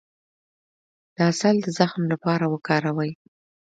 د عسل د زخم لپاره وکاروئ